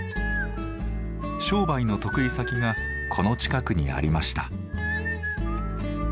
商売の得意先がこの近くにありました。